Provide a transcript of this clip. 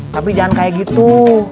tapi jangan kayak gitu